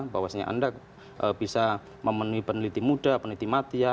bahwasannya anda bisa memenuhi peneliti muda peneliti matia